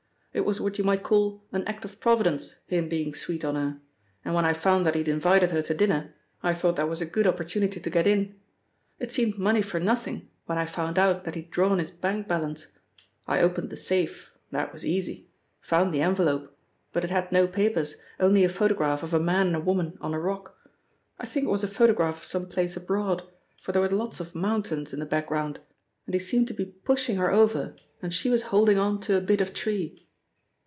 "It was what you might call an act of Providence, him being sweet on her, and when I found that he'd invited her to dinner, I thought that was a good opportunity to get in. It seemed money for nothing when I found out that he'd drawn his bank balance. I opened the safe that was easy found the envelope, but it had no papers, only a photograph of a man and a woman on a rock. I think it was a photograph of some place abroad, for there were lots of mountains in the background, and he seemed to be pushing her over and she was holding on to a bit of tree.